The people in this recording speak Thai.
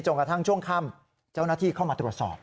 กระทั่งช่วงค่ำเจ้าหน้าที่เข้ามาตรวจสอบ